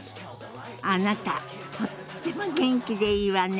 あなたとっても元気でいいわね！